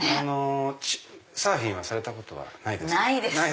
サーフィンはされたことないですか？